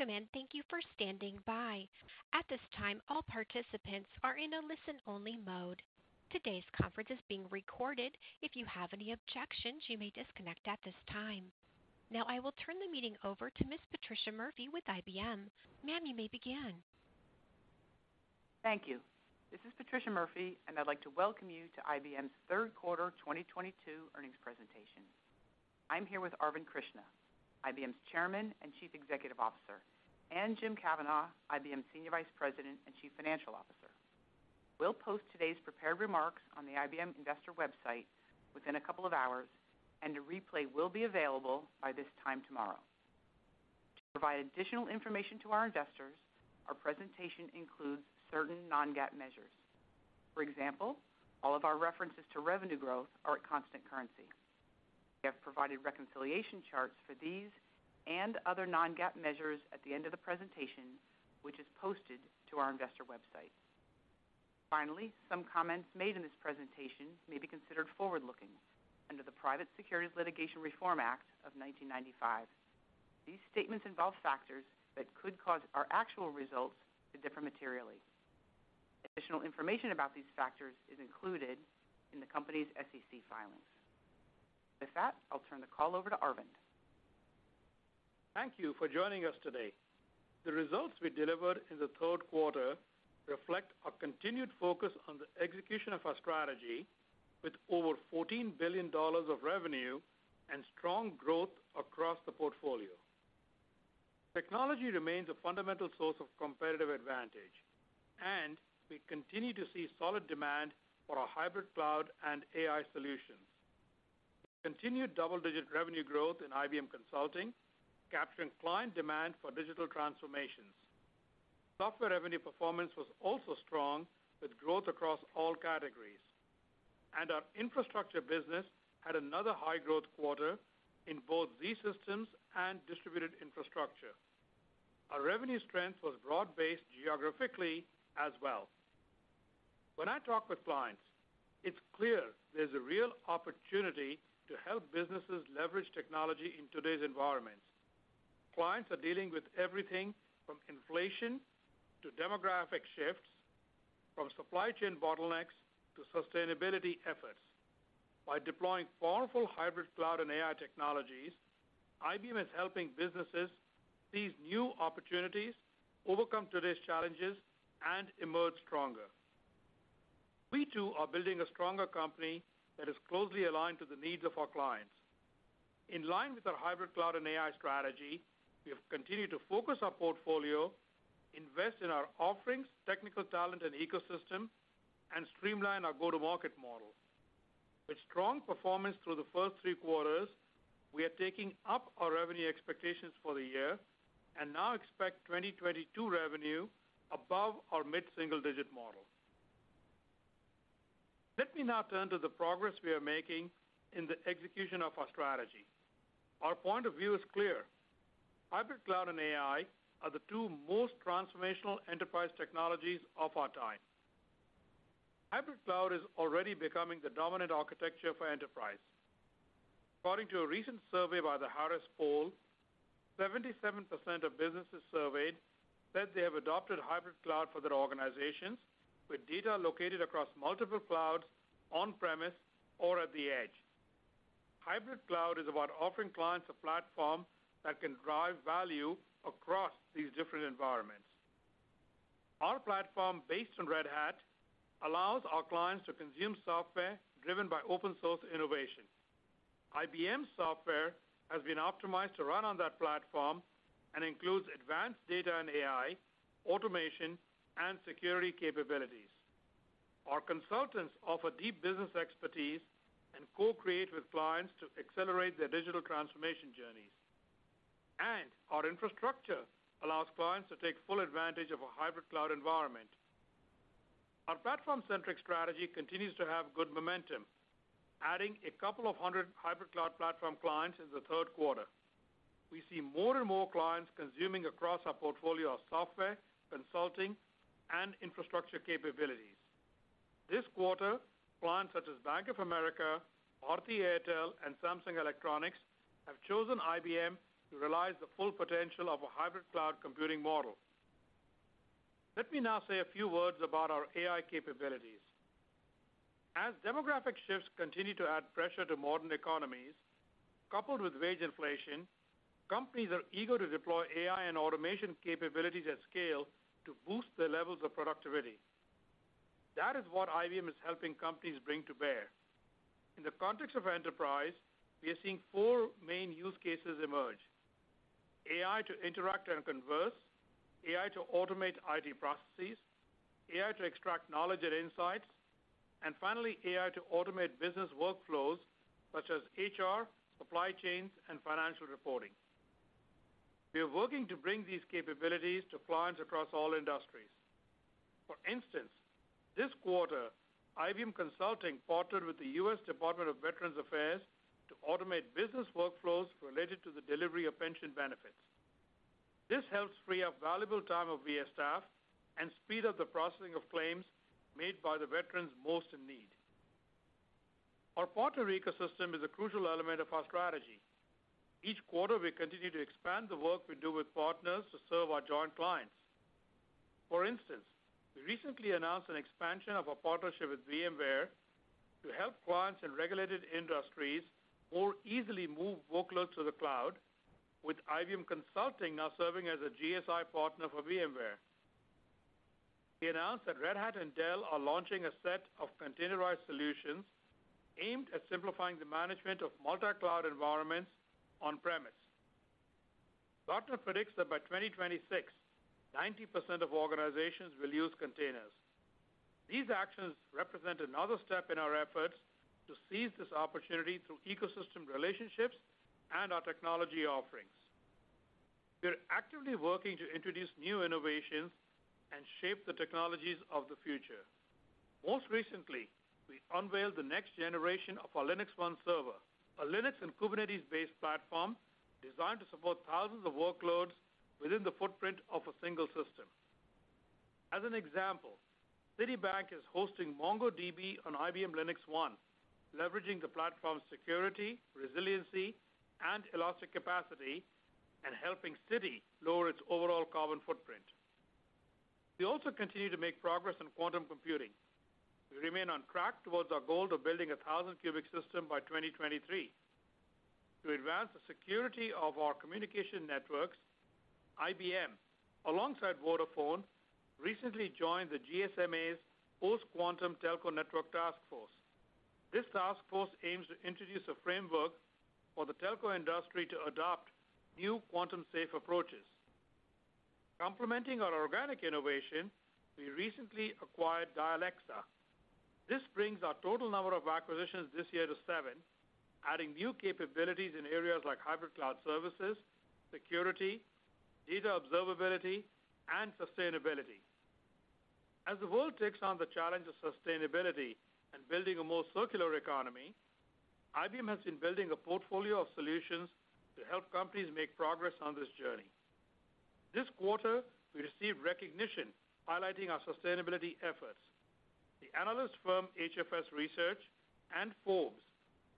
Welcome, and thank you for standing by. At this time, all participants are in a listen-only mode. Today's conference is being recorded. If you have any objections, you may disconnect at this time. Now, I will turn the meeting over to Ms. Patricia Murphy with IBM. Ma'am, you may begin. Thank you. This is Patricia Murphy, and I'd like to welcome you to IBM's third quarter 2022 earnings presentation. I'm here with Arvind Krishna, IBM's Chairman and Chief Executive Officer, and Jim Kavanaugh, IBM Senior Vice President and Chief Financial Officer. We'll post today's prepared remarks on the IBM investor website within a couple of hours, and a replay will be available by this time tomorrow. To provide additional information to our investors, our presentation includes certain non-GAAP measures. For example, all of our references to revenue growth are at constant currency. We have provided reconciliation charts for these and other non-GAAP measures at the end of the presentation, which is posted to our investor website. Finally, some comments made in this presentation may be considered forward-looking under the Private Securities Litigation Reform Act of 1995. These statements involve factors that could cause our actual results to differ materially. Additional information about these factors is included in the company's SEC filings. With that, I'll turn the call over to Arvind. Thank you for joining us today. The results we delivered in the third quarter reflect our continued focus on the execution of our strategy with over $14 billion of revenue and strong growth across the portfolio. Technology remains a fundamental source of competitive advantage, and we continue to see solid demand for our hybrid cloud and AI solutions. Continued double-digit revenue growth in IBM Consulting, capturing client demand for digital transformations. Software revenue performance was also strong with growth across all categories, and our infrastructure business had another high-growth quarter in both zSystems and Distributed Infrastructure. Our revenue strength was broad-based geographically as well. When I talk with clients, it's clear there's a real opportunity to help businesses leverage technology in today's environment. Clients are dealing with everything from inflation to demographic shifts, from supply chain bottlenecks to sustainability efforts. By deploying powerful hybrid cloud and AI technologies, IBM is helping businesses seize new opportunities, overcome today's challenges, and emerge stronger. We, too, are building a stronger company that is closely aligned to the needs of our clients. In line with our hybrid cloud and AI strategy, we have continued to focus our portfolio, invest in our offerings, technical talent and ecosystem, and streamline our go-to-market model. With strong performance through the first three quarters, we are taking up our revenue expectations for the year and now expect 2022 revenue above our mid-single-digit model. Let me now turn to the progress we are making in the execution of our strategy. Our point of view is clear: hybrid cloud and AI are the two most transformational enterprise technologies of our time. Hybrid cloud is already becoming the dominant architecture for enterprise. According to a recent survey by The Harris Poll, 77% of businesses surveyed said they have adopted hybrid cloud for their organizations, with data located across multiple clouds, on-premise, or at the edge. Hybrid cloud is about offering clients a platform that can drive value across these different environments. Our platform, based on Red Hat, allows our clients to consume software driven by open-source innovation. IBM's software has been optimized to run on that platform and includes advanced data and AI, automation, and security capabilities. Our consultants offer deep business expertise and co-create with clients to accelerate their digital transformation journeys. Our infrastructure allows clients to take full advantage of a hybrid cloud environment. Our platform-centric strategy continues to have good momentum, adding a couple of hundred hybrid cloud platform clients in the third quarter. We see more and more clients consuming across our portfolio of software, consulting, and infrastructure capabilities. This quarter, clients such as Bank of America, Bharti Airtel, and Samsung Electronics have chosen IBM to realize the full potential of a hybrid cloud computing model. Let me now say a few words about our AI capabilities. As demographic shifts continue to add pressure to modern economies, coupled with wage inflation, companies are eager to deploy AI and automation capabilities at scale to boost their levels of productivity. That is what IBM is helping companies bring to bear. In the context of enterprise, we are seeing four main use cases emerge, AI to interact and converse, AI to automate IT processes, AI to extract knowledge and insights, and finally, AI to automate business workflows such as HR, supply chains, and financial reporting. We are working to bring these capabilities to clients across all industries. For instance, this quarter, IBM Consulting partnered with the U.S. Department of Veterans Affairs to automate business workflows related to the delivery of pension benefits. This helps free up valuable time of VA staff and speed up the processing of claims made by the veterans most in need. Our partner ecosystem is a crucial element of our strategy. Each quarter, we continue to expand the work we do with partners to serve our joint clients. For instance, we recently announced an expansion of our partnership with VMware to help clients in regulated industries more easily move workload to the cloud with IBM Consulting now serving as a GSI partner for VMware. We announced that Red Hat and Dell are launching a set of containerized solutions aimed at simplifying the management of multi-cloud environments on premise. Gartner predicts that by 2026, 90% of organizations will use containers. These actions represent another step in our efforts to seize this opportunity through ecosystem relationships and our technology offerings. We are actively working to introduce new innovations and shape the technologies of the future. Most recently, we unveiled the next generation of our LinuxONE server, a Linux and Kubernetes-based platform designed to support thousands of workloads within the footprint of a single system. As an example, Citibank is hosting MongoDB on IBM LinuxONE, leveraging the platform's security, resiliency, and elastic capacity, and helping Citi lower its overall carbon footprint. We also continue to make progress in quantum computing. We remain on track towards our goal of building a 1000-qubit system by 2023. To advance the security of our communication networks, IBM, alongside Vodafone, recently joined the GSMA's Post-Quantum Telco Network Taskforce. This task force aims to introduce a framework for the telco industry to adopt new quantum safe approaches. Complementing our organic innovation, we recently acquired Dialexa. This brings our total number of acquisitions this year to seven, adding new capabilities in areas like hybrid cloud services, security, data observability, and sustainability. As the world takes on the challenge of sustainability and building a more circular economy, IBM has been building a portfolio of solutions to help companies make progress on this journey. This quarter, we received recognition highlighting our sustainability efforts. The analyst firm HFS Research and Forbes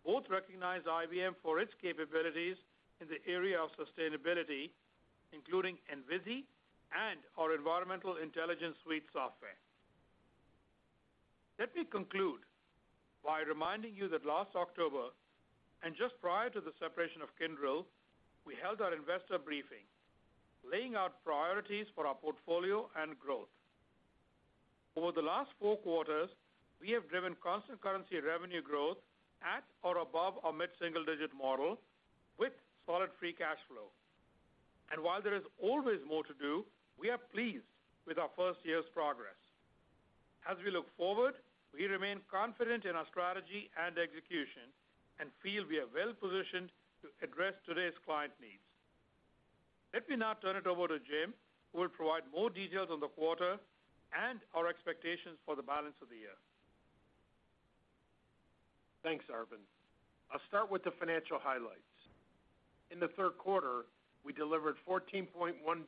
both recognized IBM for its capabilities in the area of sustainability, including Envizi and our Environmental Intelligence Suite software. Let me conclude by reminding you that last October, and just prior to the separation of Kyndryl, we held our investor briefing, laying out priorities for our portfolio and growth. Over the last four quarters, we have driven constant currency revenue growth at or above our mid-single digit model with solid free cash flow. While there is always more to do, we are pleased with our first year's progress. As we look forward, we remain confident in our strategy and execution and feel we are well-positioned to address today's client needs. Let me now turn it over to Jim, who will provide more details on the quarter and our expectations for the balance of the year. Thanks, Arvind. I'll start with the financial highlights. In the third quarter, we delivered $14.1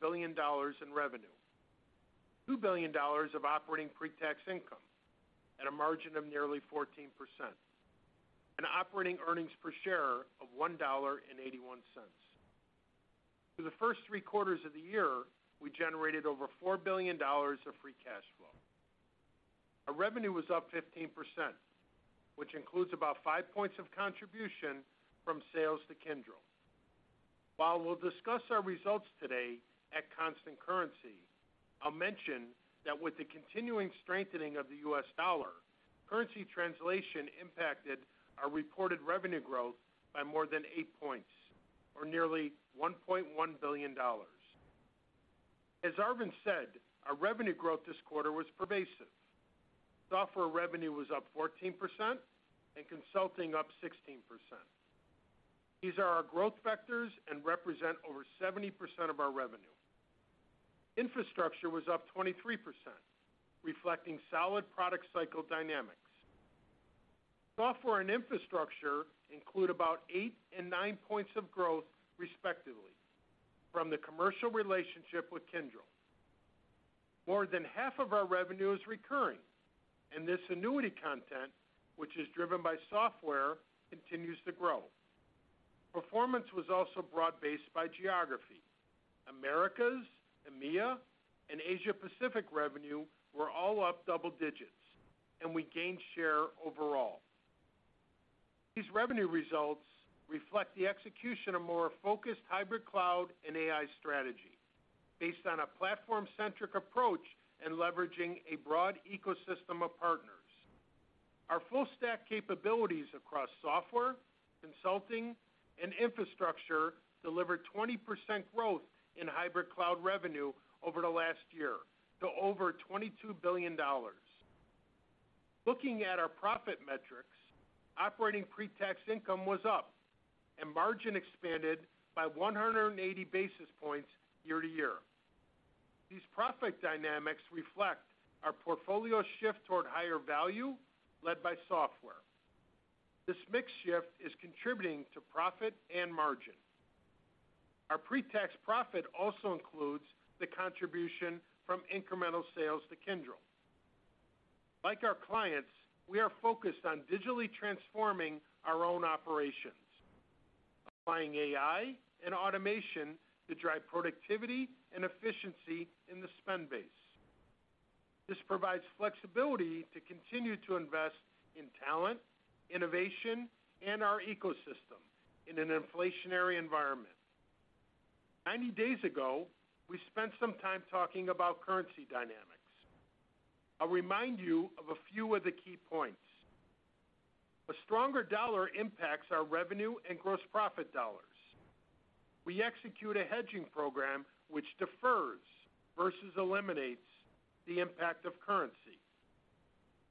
billion in revenue, $2 billion of operating pre-tax income at a margin of nearly 14%, and operating earnings per share of $1.81. For the first three quarters of the year, we generated over $4 billion of free cash flow. Our revenue was up 15%, which includes about 5 points of contribution from sales to Kyndryl. While we'll discuss our results today at constant currency, I'll mention that with the continuing strengthening of the U.S. dollar, currency translation impacted our reported revenue growth by more than 8 points, or nearly $1.1 billion. As Arvind said, our revenue growth this quarter was pervasive. Software revenue was up 14% and consulting up 16%. These are our growth vectors and represent over 70% of our revenue. Infrastructure was up 23%, reflecting solid product cycle dynamics. Software and infrastructure include about 8 and 9 points of growth, respectively, from the commercial relationship with Kyndryl. More than half of our revenue is recurring, and this annuity content, which is driven by software, continues to grow. Performance was also broad-based by geography. Americas, EMEA, and Asia Pacific revenue were all up double digits, and we gained share overall. These revenue results reflect the execution of more focused hybrid cloud and AI strategy based on a platform-centric approach and leveraging a broad ecosystem of partners. Our full stack capabilities across software, consulting, and infrastructure delivered 20% growth in hybrid cloud revenue over the last year to over $22 billion. Looking at our profit metrics, operating pre-tax income was up and margin expanded by 180 basis points year-over-year. These profit dynamics reflect our portfolio shift toward higher value led by software. This mix shift is contributing to profit and margin. Our pre-tax profit also includes the contribution from incremental sales to Kyndryl. Like our clients, we are focused on digitally transforming our own operations, applying AI and automation to drive productivity and efficiency in the spend base. This provides flexibility to continue to invest in talent, innovation, and our ecosystem in an inflationary environment. 90 days ago, we spent some time talking about currency dynamics. I'll remind you of a few of the key points. A stronger dollar impacts our revenue and gross profit dollars. We execute a hedging program which defers versus eliminates the impact of currency.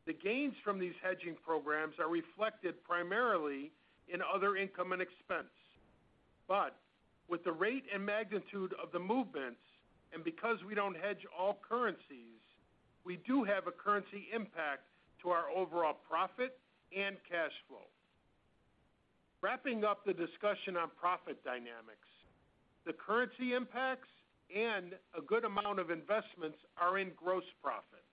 The gains from these hedging programs are reflected primarily in other income and expense. With the rate and magnitude of the movements, and because we don't hedge all currencies, we do have a currency impact to our overall profit and cash flow. Wrapping up the discussion on profit dynamics, the currency impacts and a good amount of investments are in gross profit.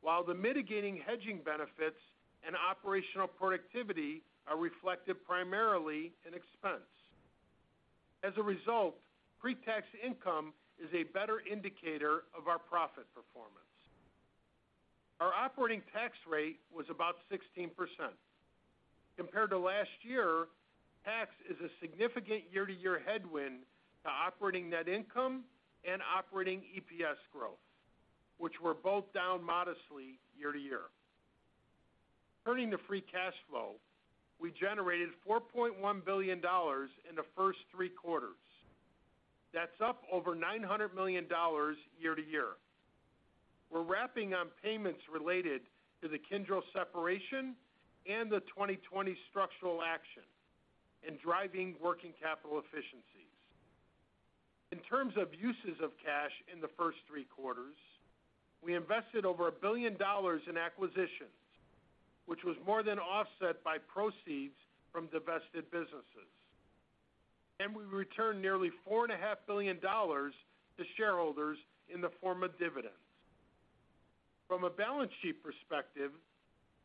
While the mitigating hedging benefits and operational productivity are reflected primarily in expense. As a result, pre-tax income is a better indicator of our profit performance. Our operating tax rate was about 16%. Compared to last year, tax is a significant year-to-year headwind to operating net income and operating EPS growth, which were both down modestly year-to-year. Turning to free cash flow, we generated $4.1 billion in the first three quarters. That's up over $900 million year-to-year. We're wrapping on payments related to the Kyndryl separation and the 2020 structural action and driving working capital efficiencies. In terms of uses of cash in the first three quarters, we invested over $1 billion in acquisitions, which was more than offset by proceeds from divested businesses. We returned nearly $4.5 billion to shareholders in the form of dividends. From a balance sheet perspective,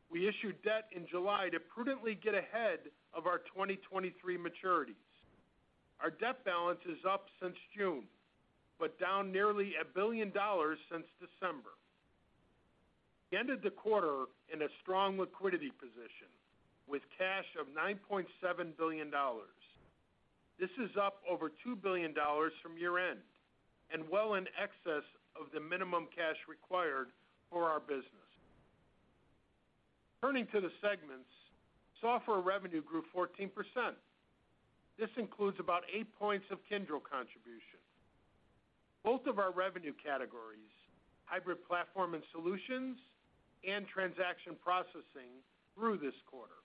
we issued debt in July to prudently get ahead of our 2023 maturities. Our debt balance is up since June, but down nearly $1 billion since December. We ended the quarter in a strong liquidity position with cash of $9.7 billion. This is up over $2 billion from year-end and well in excess of the minimum cash required for our business. Turning to the segments, software revenue grew 14%. This includes about 8 points of Kyndryl contribution. Both of our revenue categories, Hybrid Platform and Solutions, and Transaction Processing grew this quarter.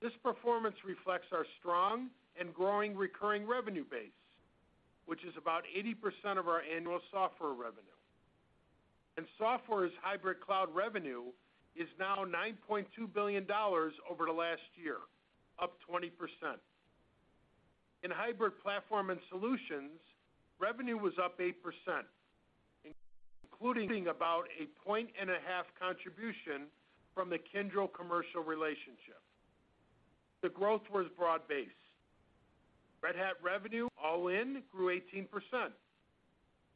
This performance reflects our strong and growing recurring revenue base, which is about 80% of our annual software revenue. Software's hybrid cloud revenue is now $9.2 billion over the last year, up 20%. In Hybrid Platform and Solutions, revenue was up 8%, including about a 1.5-point contribution from the Kyndryl commercial relationship. The growth was broad-based. Red Hat revenue all in grew 18%.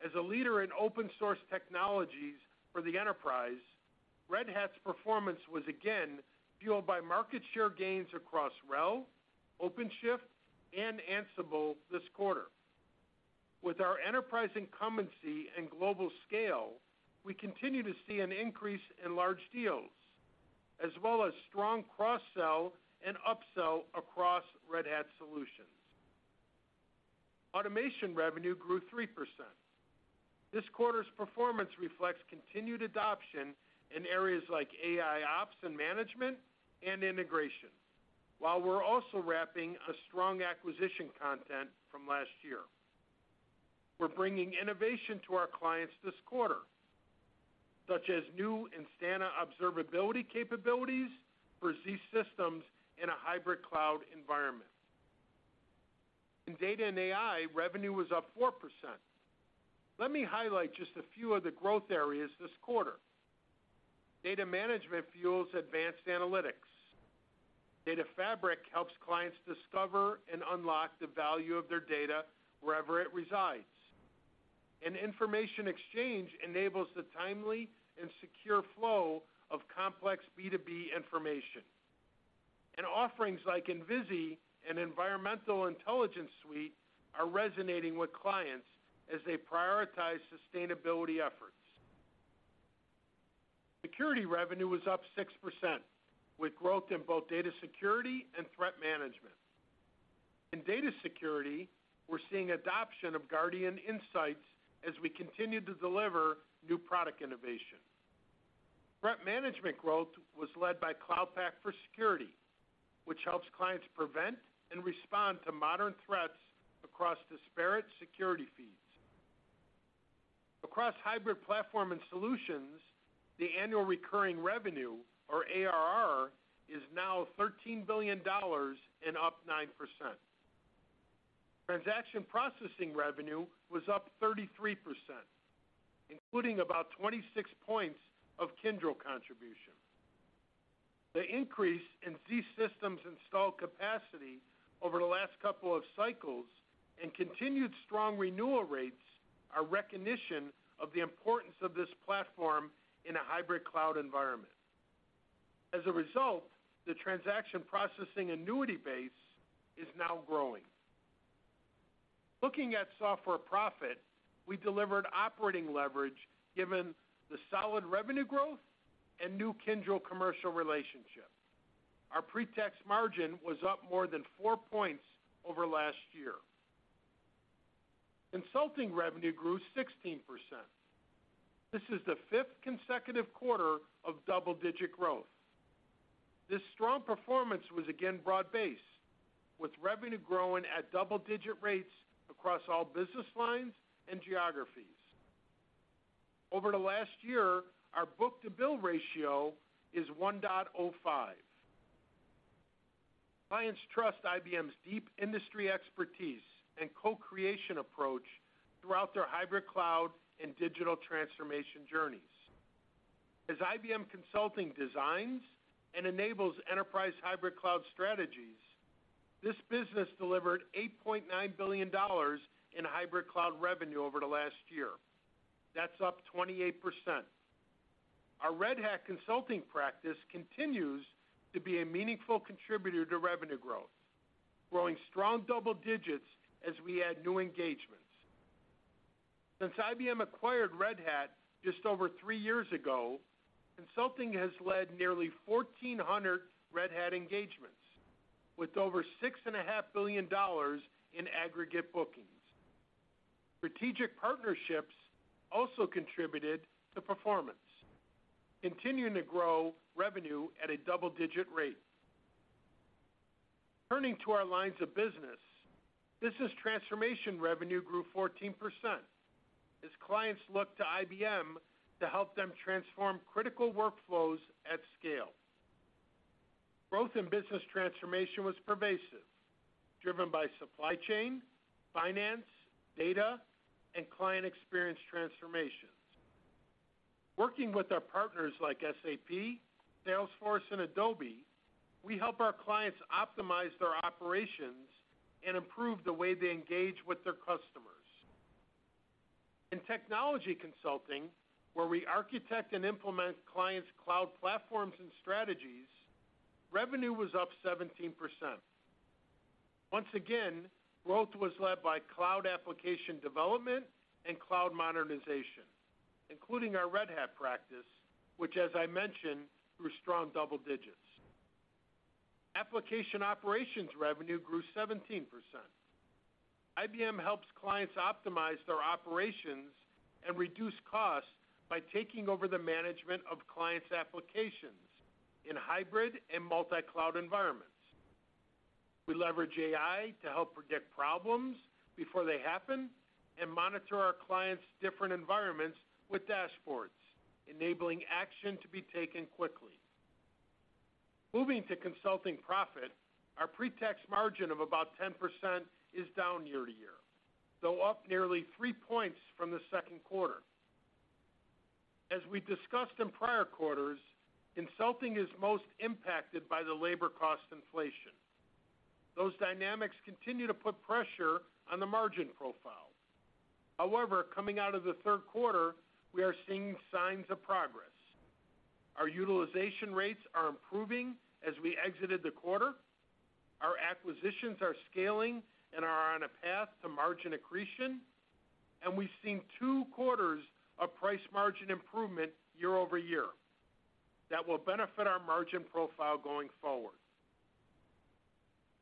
As a leader in open source technologies for the enterprise, Red Hat's performance was again fueled by market share gains across RHEL, OpenShift, and Ansible this quarter. With our enterprise incumbency and global scale, we continue to see an increase in large deals as well as strong cross-sell and upsell across Red Hat solutions. Automation revenue grew 3%. This quarter's performance reflects continued adoption in areas like AIOps and management and integration, while we're also wrapping a strong acquisition content from last year. We're bringing innovation to our clients this quarter, such as new Instana observability capabilities for zSystems in a hybrid cloud environment. In data and AI, revenue was up 4%. Let me highlight just a few of the growth areas this quarter. Data management fuels advanced analytics. Data fabric helps clients discover and unlock the value of their data wherever it resides. Information exchange enables the timely and secure flow of complex B2B information. Offerings like Envizi and Environmental Intelligence Suite are resonating with clients as they prioritize sustainability efforts. Security revenue was up 6%, with growth in both data security and threat management. In data security, we're seeing adoption of Guardium Insights as we continue to deliver new product innovation. Threat management growth was led by Cloud Pak for Security, which helps clients prevent and respond to modern threats across disparate security feeds. Across hybrid platform and solutions, the annual recurring revenue, or ARR, is now $13 billion and up 9%. Transaction processing revenue was up 33%, including about 26 points of Kyndryl contribution. The increase in zSystems installed capacity over the last couple of cycles and continued strong renewal rates are recognition of the importance of this platform in a hybrid cloud environment. As a result, the transaction processing annuity base is now growing. Looking at software profit, we delivered operating leverage given the solid revenue growth and new Kyndryl commercial relationship. Our pre-tax margin was up more than 4 points over last year. Consulting revenue grew 16%. This is the fifth consecutive quarter of double-digit growth. This strong performance was again broad-based, with revenue growing at double-digit rates across all business lines and geographies. Over the last year, our book-to-bill ratio is 1.05. Clients trust IBM's deep industry expertise and co-creation approach throughout their hybrid cloud and digital transformation journeys. As IBM Consulting designs and enables enterprise hybrid cloud strategies, this business delivered $8.9 billion in hybrid cloud revenue over the last year. That's up 28%. Our Red Hat consulting practice continues to be a meaningful contributor to revenue growth, growing strong double digits as we add new engagements. Since IBM acquired Red Hat just over three years ago, consulting has led nearly 1,400 Red Hat engagements with over $6.5 billion in aggregate bookings. Strategic partnerships also contributed to performance, continuing to grow revenue at a double-digit rate. Turning to our lines of business transformation revenue grew 14% as clients look to IBM to help them transform critical workflows at scale. Growth in business transformation was pervasive, driven by supply chain, finance, data, and client experience transformations. Working with our partners like SAP, Salesforce, and Adobe, we help our clients optimize their operations and improve the way they engage with their customers. In technology consulting, where we architect and implement clients' cloud platforms and strategies, revenue was up 17%. Once again, growth was led by cloud application development and cloud modernization, including our Red Hat practice, which as I mentioned, grew strong double digits. Application operations revenue grew 17%. IBM helps clients optimize their operations and reduce costs by taking over the management of clients' applications in hybrid and multi-cloud environments. We leverage AI to help predict problems before they happen and monitor our clients' different environments with dashboards, enabling action to be taken quickly. Moving to consulting profit, our pre-tax margin of about 10% is down year-to-year, though up nearly 3 points from the second quarter. As we discussed in prior quarters, consulting is most impacted by the labor cost inflation. Those dynamics continue to put pressure on the margin profile. However, coming out of the third quarter, we are seeing signs of progress. Our utilization rates are improving as we exited the quarter. Our acquisitions are scaling and are on a path to margin accretion. We've seen two quarters of price margin improvement year-over-year that will benefit our margin profile going forward.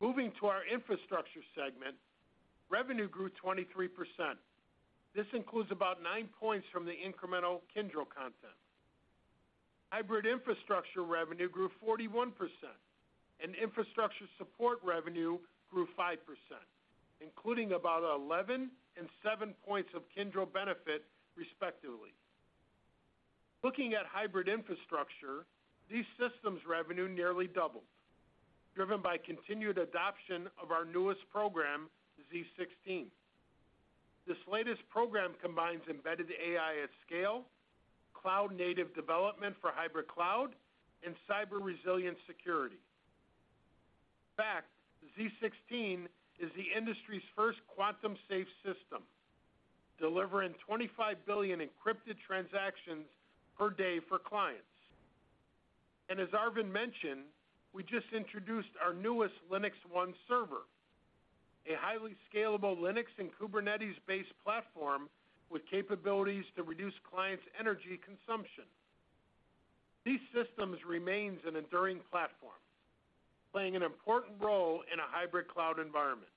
Moving to our infrastructure segment, revenue grew 23%. This includes about 9 points from the incremental Kyndryl content. Hybrid infrastructure revenue grew 41%, and infrastructure support revenue grew 5%, including about 11 and 7 points of Kyndryl benefit, respectively. Looking at hybrid infrastructure, these systems revenue nearly doubled, driven by continued adoption of our newest program, z16. This latest program combines embedded AI at scale, cloud-native development for hybrid cloud, and cyber-resilient security. In fact, z16 is the industry's first quantum-safe system, delivering 25 billion encrypted transactions per day for clients. As Arvind mentioned, we just introduced our newest LinuxONE server, a highly scalable Linux and Kubernetes-based platform with capabilities to reduce clients' energy consumption. These systems remains an enduring platform, playing an important role in a hybrid cloud environment.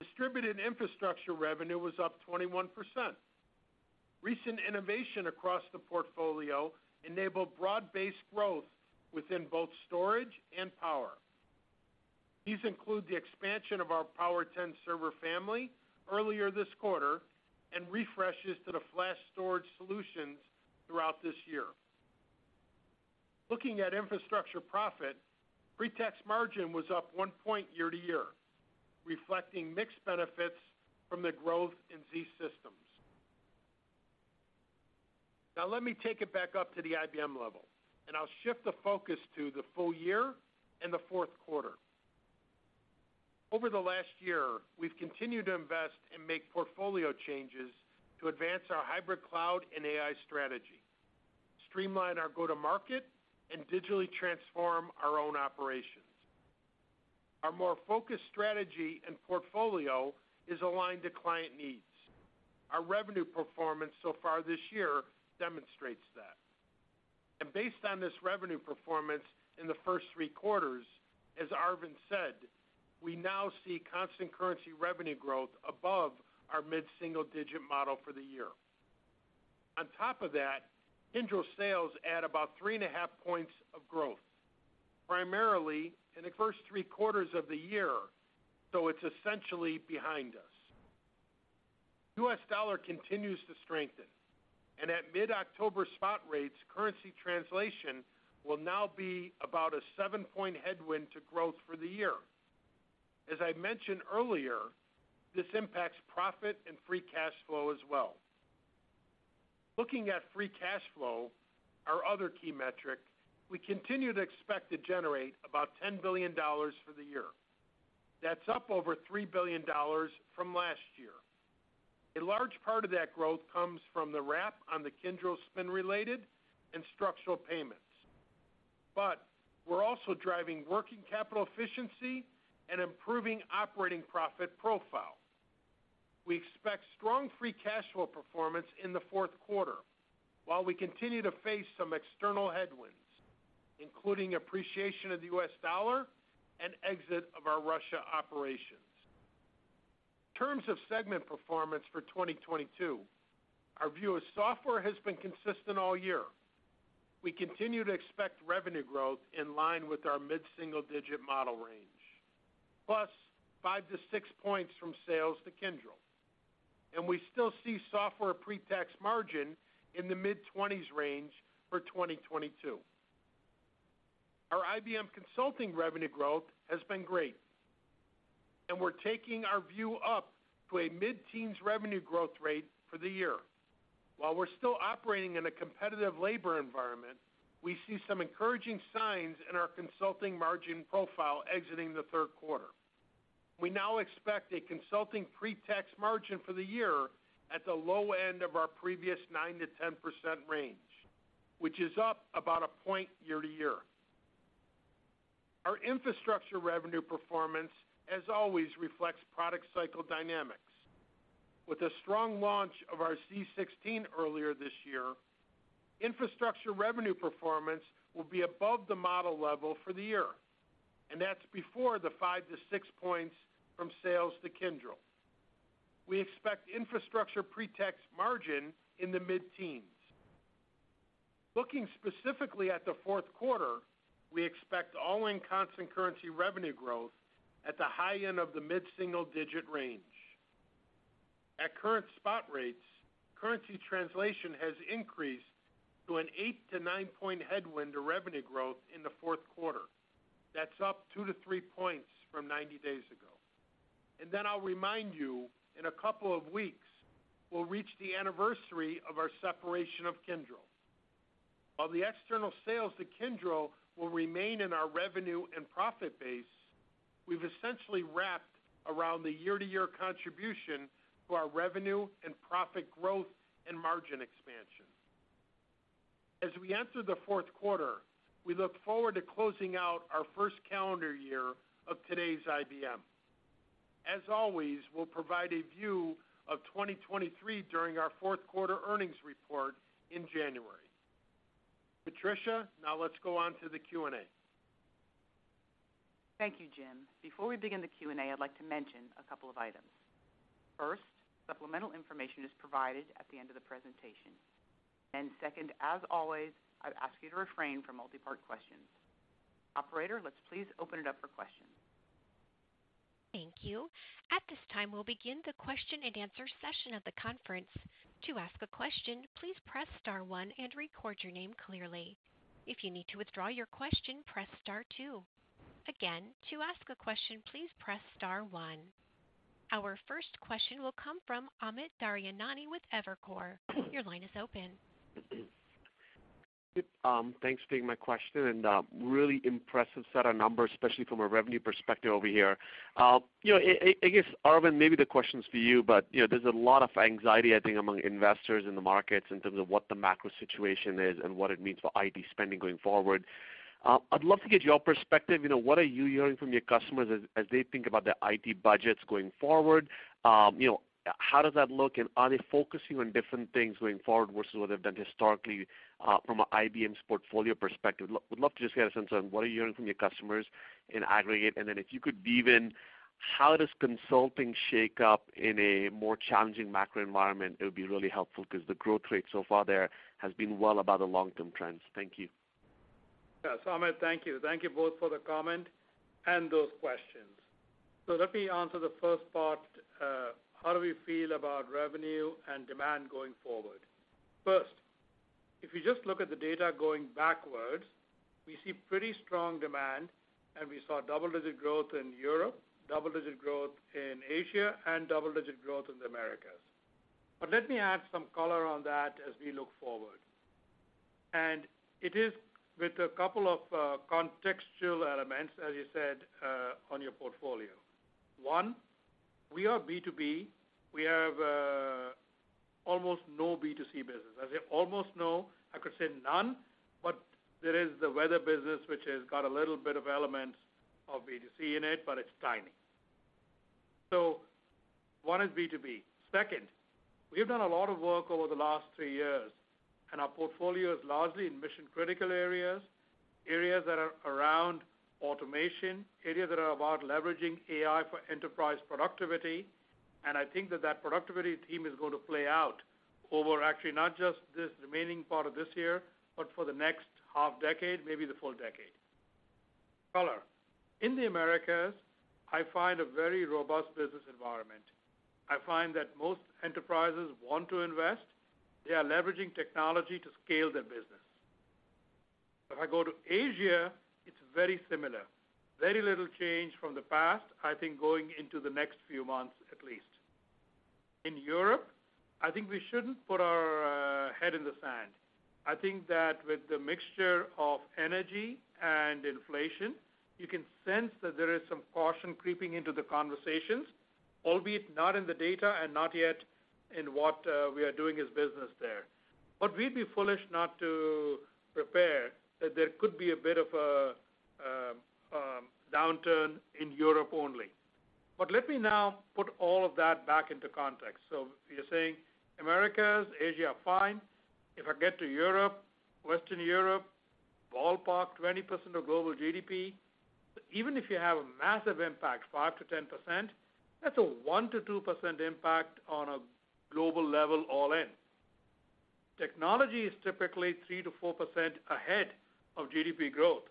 Distributed Infrastructure revenue was up 21%. Recent innovation across the portfolio enabled broad-based growth within both storage and power. These include the expansion of our Power10 server family earlier this quarter and refreshes to the flash storage solutions throughout this year. Looking at infrastructure profit, pre-tax margin was up 1 point year-over-year, reflecting mixed benefits from the growth in zSystems. Now let me take it back up to the IBM level, and I'll shift the focus to the full year and the fourth quarter. Over the last year, we've continued to invest and make portfolio changes to advance our hybrid cloud and AI strategy, streamline our go-to-market, and digitally transform our own operations. Our more focused strategy and portfolio is aligned to client needs. Our revenue performance so far this year demonstrates that. Based on this revenue performance in the first three quarters, as Arvind said, we now see constant currency revenue growth above our mid-single-digit model for the year. On top of that, Kyndryl sales add about 3.5 points of growth, primarily in the first three quarters of the year, so it's essentially behind us. U.S. dollar continues to strengthen, and at mid-October spot rates, currency translation will now be about a 7-point headwind to growth for the year. As I mentioned earlier, this impacts profit and free cash flow as well. Looking at free cash flow, our other key metric, we continue to expect to generate about $10 billion for the year. That's up over $3 billion from last year. A large part of that growth comes from the wrap on the Kyndryl spin-related and structural payments. We're also driving working capital efficiency and improving operating profit profile. We expect strong free cash flow performance in the fourth quarter, while we continue to face some external headwinds, including appreciation of the U.S. dollar and exit of our Russia operations. In terms of segment performance for 2022, our view of software has been consistent all year. We continue to expect revenue growth in line with our mid-single-digit model range, plus 5-6 points from sales to Kyndryl. We still see software pre-tax margin in the mid-20s range for 2022. Our IBM consulting revenue growth has been great, and we're taking our view up to a mid-teens revenue growth rate for the year. While we're still operating in a competitive labor environment, we see some encouraging signs in our consulting margin profile exiting the third quarter. We now expect a consulting pre-tax margin for the year at the low end of our previous 9%-10% range, which is up about a point year-over-year. Our infrastructure revenue performance, as always, reflects product cycle dynamics. With a strong launch of our z16 earlier this year, infrastructure revenue performance will be above the model level for the year, and that's before the 5-6 points from sales to Kyndryl. We expect infrastructure pre-tax margin in the mid-teens. Looking specifically at the fourth quarter, we expect all-in constant currency revenue growth at the high end of the mid-single-digit range. At current spot rates, currency translation has increased to an 8-9 point headwind to revenue growth in the fourth quarter. That's up 2-3 points from 90 days ago. Then I'll remind you, in a couple of weeks, we'll reach the anniversary of our separation of Kyndryl. While the external sales to Kyndryl will remain in our revenue and profit base, we've essentially wrapped around the year-to-year contribution to our revenue and profit growth and margin expansion. As we enter the fourth quarter, we look forward to closing out our first calendar year of today's IBM. As always, we'll provide a view of 2023 during our fourth quarter earnings report in January. Patricia, now let's go on to the Q&A. Thank you, Jim. Before we begin the Q&A, I'd like to mention a couple of items. First, supplemental information is provided at the end of the presentation. Second, as always, I'd ask you to refrain from multi-part questions. Operator, let's please open it up for questions. Thank you. At this time, we'll begin the question-and-answer session of the conference. To ask a question, please press star one and record your name clearly. If you need to withdraw your question, press star two. Again, to ask a question, please press star one. Our first question will come from Amit Daryanani with Evercore. Your line is open. Thanks for taking my question, and really impressive set of numbers, especially from a revenue perspective over here. You know, I guess, Arvind, maybe the question's for you, but you know, there's a lot of anxiety, I think, among investors in the markets in terms of what the macro situation is and what it means for IT spending going forward. I'd love to get your perspective, you know, what are you hearing from your customers as they think about their IT budgets going forward? You know, how does that look, and are they focusing on different things going forward versus what they've done historically, from IBM's portfolio perspective? Would love to just get a sense on what are you hearing from your customers in aggregate, and then if you could weave in how does consulting shake up in a more challenging macro environment? It would be really helpful 'cause the growth rate so far there has been well above the long-term trends. Thank you. Yeah. Amit, thank you. Thank you both for the comment and those questions. Let me answer the first part, how do we feel about revenue and demand going forward? First, if you just look at the data going backwards, we see pretty strong demand and we saw double-digit growth in Europe, double-digit growth in Asia, and double-digit growth in the Americas. Let me add some color on that as we look forward. It is with a couple of contextual elements, as you said, on your portfolio. One, we are B2B. We have almost no B2C business. I say almost no, I could say none, but there is the weather business, which has got a little bit of elements of B2C in it, but it's tiny. One is B2B. Second, we have done a lot of work over the last three years, and our portfolio is largely in mission-critical areas that are around automation, areas that are about leveraging AI for enterprise productivity. I think that that productivity theme is going to play out over actually not just this remaining part of this year, but for the next half decade, maybe the full decade. Color. In the Americas, I find a very robust business environment. I find that most enterprises want to invest. They are leveraging technology to scale their business. If I go to Asia, it's very similar. Very little change from the past, I think, going into the next few months, at least. In Europe, I think we shouldn't put our head in the sand. I think that with the mixture of energy and inflation, you can sense that there is some caution creeping into the conversations, albeit not in the data and not yet in what we are doing as business there. We'd be foolish not to prepare that there could be a bit of a downturn in Europe only. Let me now put all of that back into context. You're saying Americas, Asia are fine. If I get to Europe, Western Europe, ballpark 20% of global GDP, even if you have a massive impact, 5%-10%, that's a 1%-2% impact on a global level all in. Technology is typically 3%-4% ahead of GDP growth.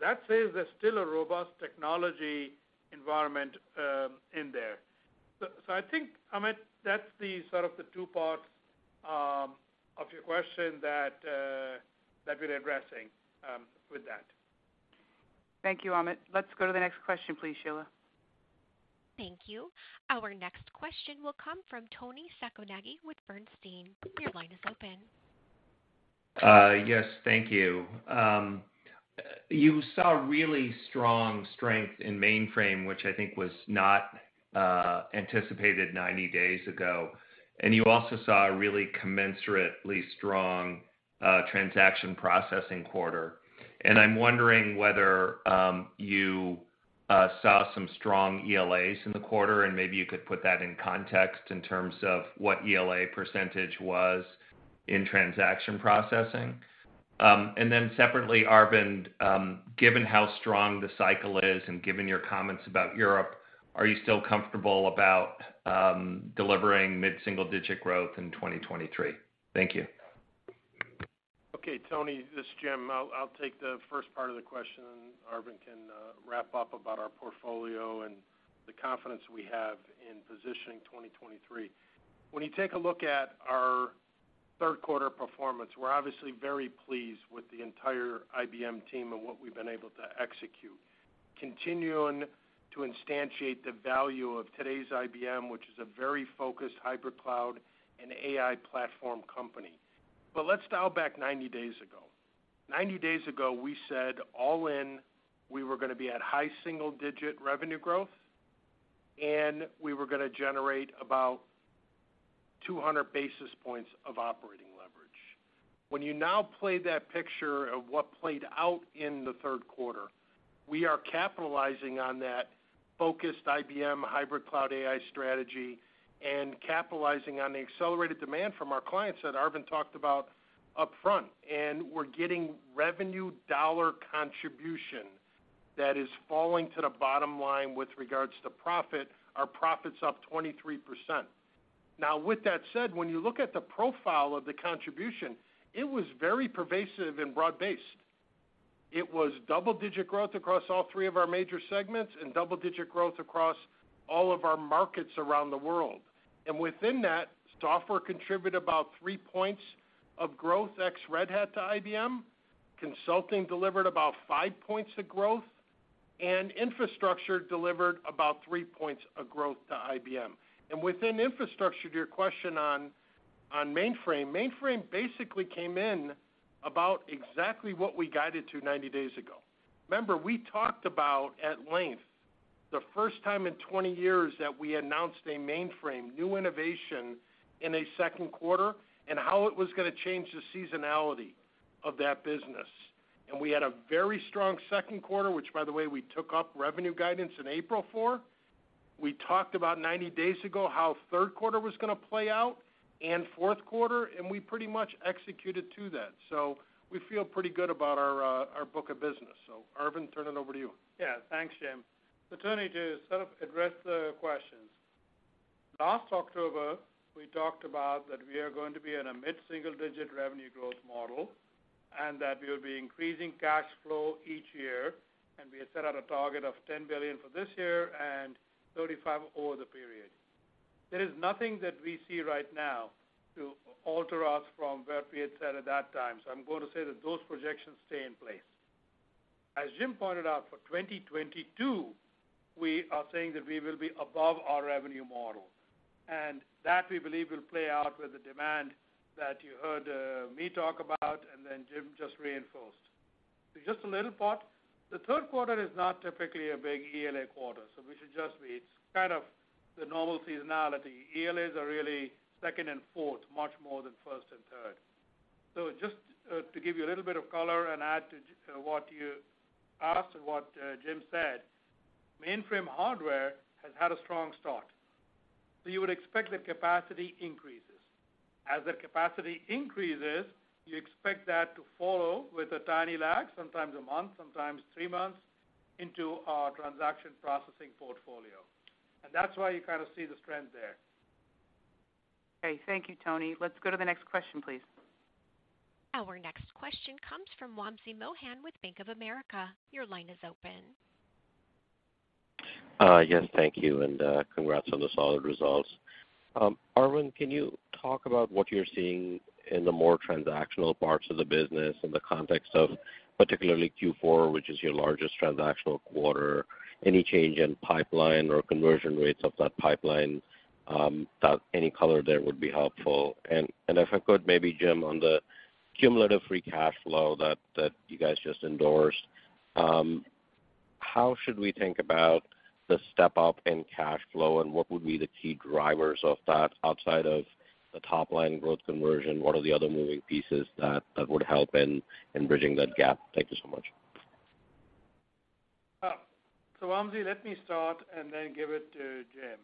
That says there's still a robust technology environment in there. I think, Amit, that's the sort of the two parts of your question that we're addressing with that. Thank you, Amit. Let's go to the next question, please, [Kayla]. Thank you. Our next question will come from Toni Sacconaghi with Bernstein. Your line is open. Yes, thank you. You saw really strong strength in mainframe, which I think was not anticipated 90 days ago. You also saw a really commensurately strong transaction processing quarter. I'm wondering whether you saw some strong ELAs in the quarter, and maybe you could put that in context in terms of what ELA percentage was in transaction processing. Then separately, Arvind, given how strong the cycle is and given your comments about Europe, are you still comfortable about delivering mid-single-digit growth in 2023? Thank you. Okay, Toni, this is Jim. I'll take the first part of the question, and Arvind can wrap up about our portfolio and the confidence we have in positioning 2023. When you take a look at our third quarter performance, we're obviously very pleased with the entire IBM team and what we've been able to execute, continuing to instantiate the value of today's IBM, which is a very focused hybrid cloud and AI platform company. Let's dial back 90 days ago. 90 days ago, we said all in, we were going to be at high single-digit revenue growth, and we were going to generate about 200 basis points of operating leverage. When you now play that picture of what played out in the third quarter, we are capitalizing on that focused IBM hybrid cloud AI strategy and capitalizing on the accelerated demand from our clients that Arvind talked about upfront. We're getting revenue dollar contribution that is falling to the bottom line with regards to profit. Our profit's up 23%. Now, with that said, when you look at the profile of the contribution, it was very pervasive and broad-based. It was double-digit growth across all 3 of our major segments and double-digit growth across all of our markets around the world. Within that, software contributed about 3 points of growth ex Red Hat to IBM, consulting delivered about 5 points of growth, and infrastructure delivered about 3 points of growth to IBM. Within infrastructure, to your question on mainframe basically came in about exactly what we guided to 90 days ago. Remember, we talked about at length the first time in 20 years that we announced a mainframe, new innovation in a second quarter, and how it was going to change the seasonality of that business. We had a very strong second quarter, which by the way, we took up revenue guidance in April for. We talked about 90 days ago how third quarter was going to play out and fourth quarter, and we pretty much executed to that. We feel pretty good about our book of business. Arvind, turn it over to you. Yeah. Thanks, Jim. Toni, to sort of address the questions. Last October, we talked about that we are going to be in a mid-single-digit revenue growth model, and that we'll be increasing cash flow each year. We had set out a target of $10 billion for this year and $35 billion over the period. There is nothing that we see right now to alter us from where we had said at that time. I'm going to say that those projections stay in place. As Jim pointed out, for 2022, we are saying that we will be above our revenue model, and that we believe will play out with the demand that you heard, me talk about, and then Jim just reinforced. Just a little part. The third quarter is not typically a big ELA quarter, so we should just be. It's kind of the normal seasonality. ELAs are really second and fourth, much more than first and third. Just to give you a little bit of color and add to what you asked and what Jim said, mainframe hardware has had a strong start. You would expect that capacity increases. As that capacity increases, you expect that to follow with a tiny lag, sometimes a month, sometimes three months, into our transaction processing portfolio. That's why you kind of see this trend there. Okay. Thank you, Toni. Let's go to the next question, please. Our next question comes from Wamsi Mohan with Bank of America. Your line is open. Yes, thank you, and congrats on the solid results. Arvind, can you talk about what you're seeing in the more transactional parts of the business in the context of particularly Q4, which is your largest transactional quarter? Any change in pipeline or conversion rates of that pipeline, that any color there would be helpful. If I could, maybe Jim, on the cumulative free cash flow that you guys just endorsed, how should we think about the step-up in cash flow, and what would be the key drivers of that outside of the top line growth conversion? What are the other moving pieces that would help in bridging that gap? Thank you so much. Wamsi, let me start and then give it to Jim.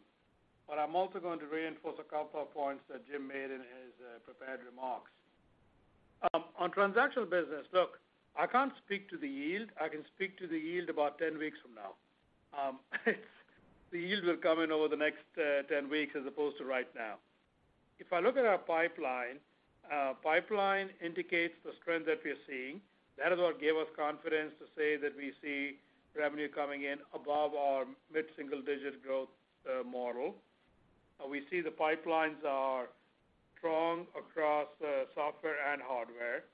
I'm also going to reinforce a couple of points that Jim made in his prepared remarks. On transactional business, look, I can't speak to the yield. I can speak to the yield about 10 weeks from now. The yield will come in over the next 10 weeks as opposed to right now. If I look at our pipeline indicates the strength that we're seeing. That is what gave us confidence to say that we see revenue coming in above our mid-single-digit growth model. We see the pipelines are strong across software and hardware.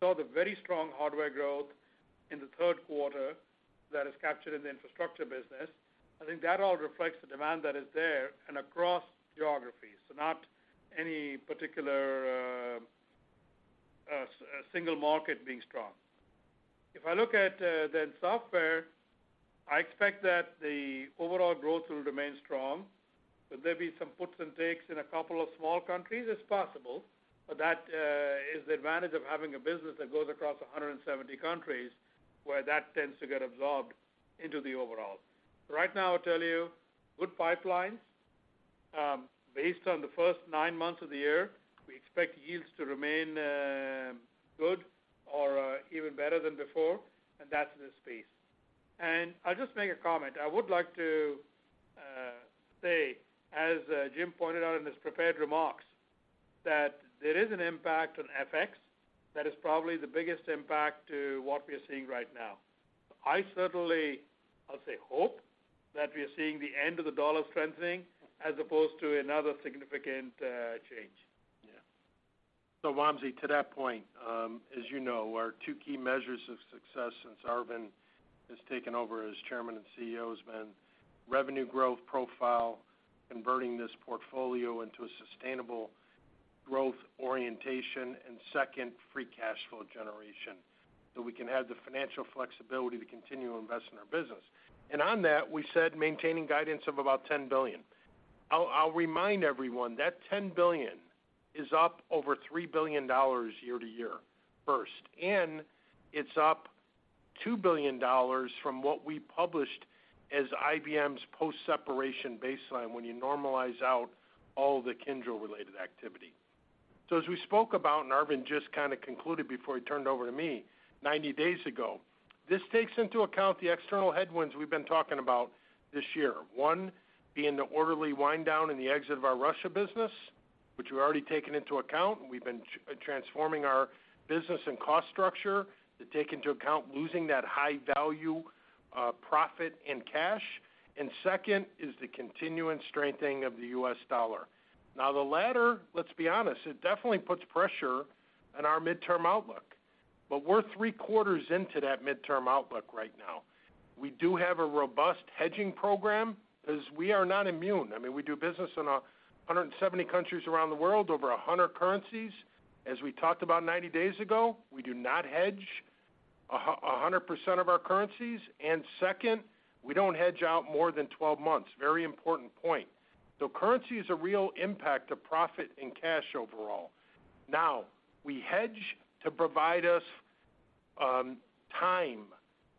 Saw the very strong hardware growth in the third quarter that is captured in the infrastructure business. I think that all reflects the demand that is there and across geographies. Not any particular single market being strong. If I look at the software, I expect that the overall growth will remain strong. Will there be some puts and takes in a couple of small countries? It's possible, but that is the advantage of having a business that goes across 170 countries where that tends to get absorbed into the overall. Right now, I'll tell you, good pipelines. Based on the first nine months of the year, we expect yields to remain good or even better than before, and that's in this space. I'll just make a comment. I would like to say, as Jim pointed out in his prepared remarks, that there is an impact on FX that is probably the biggest impact to what we are seeing right now. I certainly, I'll say, hope that we are seeing the end of the US dollar strengthening as opposed to another significant change. Yeah. Wamsi, to that point, as you know, our two key measures of success since Arvind has taken over as Chairman and CEO has been revenue growth profile, converting this portfolio into a sustainable growth orientation, and second, free cash flow generation, so we can have the financial flexibility to continue to invest in our business. On that, we said maintaining guidance of about $10 billion. I'll remind everyone that $10 billion is up over $3 billion year-to-year first, and it's up $2 billion from what we published as IBM's post-separation baseline when you normalize out all the Kyndryl-related activity. As we spoke about, and Arvind just kind of concluded before he turned over to me 90 days ago, this takes into account the external headwinds we've been talking about this year. One being the orderly wind down and the exit of our Russia business, which we've already taken into account, and we've been transforming our business and cost structure to take into account losing that high value, profit and cash. Second is the continuing strengthening of the U.S. dollar. Now the latter, let's be honest, it definitely puts pressure on our midterm outlook. We're three quarters into that midterm outlook right now. We do have a robust hedging program because we are not immune. I mean, we do business in 170 countries around the world, over 100 currencies. As we talked about 90 days ago, we do not hedge 100% of our currencies. Second, we don't hedge out more than 12 months. Very important point. Currency is a real impact to profit and cash overall. Now, we hedge to provide us time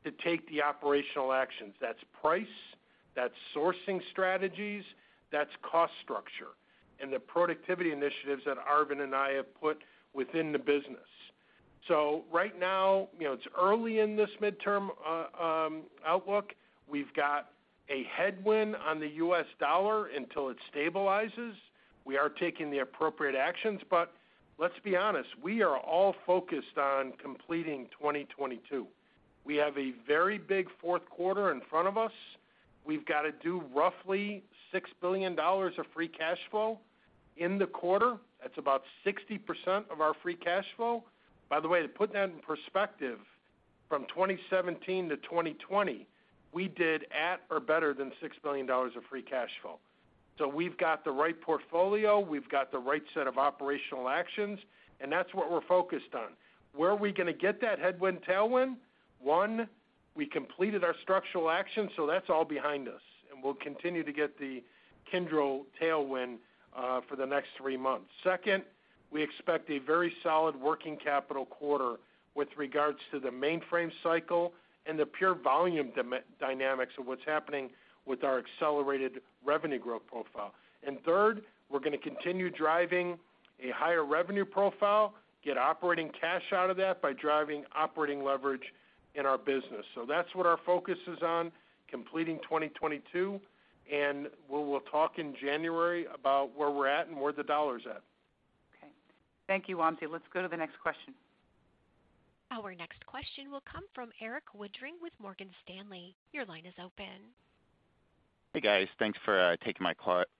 to take the operational actions. That's price, that's sourcing strategies, that's cost structure, and the productivity initiatives that Arvind and I have put within the business. Right now, you know, it's early in this midterm outlook. We've got a headwind on the US dollar until it stabilizes. We are taking the appropriate actions. Let's be honest, we are all focused on completing 2022. We have a very big fourth quarter in front of us. We've got to do roughly $6 billion of free cash flow in the quarter. That's about 60% of our free cash flow. By the way, to put that in perspective, from 2017 to 2020, we did at or better than $6 billion of free cash flow. We've got the right portfolio, we've got the right set of operational actions, and that's what we're focused on. Where are we going to get that headwind, tailwind? One, we completed our structural action, so that's all behind us, and we'll continue to get the Kyndryl tailwind for the next three months. Second, we expect a very solid working capital quarter with regards to the mainframe cycle and the pure volume demand dynamics of what's happening with our accelerated revenue growth profile. Third, we're going to continue driving a higher revenue profile, get operating cash out of that by driving operating leverage in our business. That's what our focus is on, completing 2022, and we will talk in January about where we're at and where the dollar's at. Okay. Thank you, Wamsi. Let's go to the next question. Our next question will come from Erik Woodring with Morgan Stanley. Your line is open. Hey, guys. Thanks for taking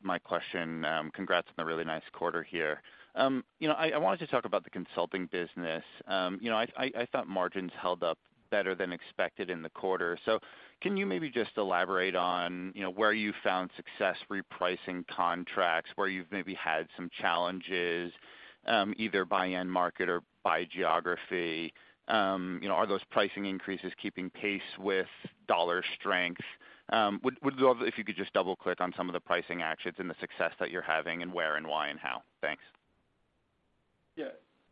my question. Congrats on a really nice quarter here. You know, I thought margins held up better than expected in the quarter. Can you maybe just elaborate on, you know, where you found success repricing contracts, where you've maybe had some challenges, either by end market or by geography? You know, are those pricing increases keeping pace with dollar strength? Would love if you could just double-click on some of the pricing actions and the success that you're having and where and why and how. Thanks. Yeah.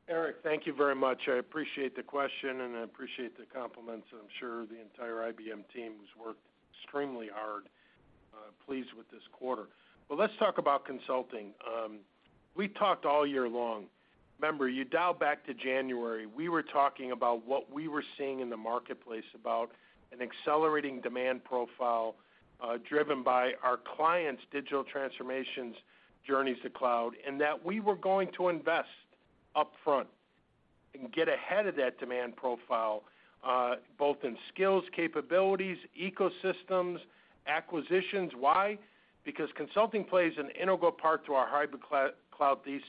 Erik, thank you very much. I appreciate the question, and I appreciate the compliments, and I'm sure the entire IBM team who's worked extremely hard pleased with this quarter. Let's talk about consulting. We talked all year long. Remember, you dial back to January, we were talking about what we were seeing in the marketplace about an accelerating demand profile driven by our clients' digital transformations journeys to cloud, and that we were going to invest upfront and get ahead of that demand profile both in skills, capabilities, ecosystems, acquisitions. Why? Because consulting plays an integral part to our hybrid cloud thesis.